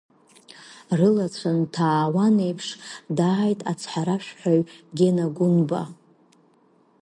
Рылацәа нҭаауан еиԥш, дааит ацҳаражәҳәаҩ Гьена Гәынба.